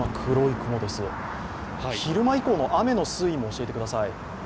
昼間以降の雨の推移も教えてください。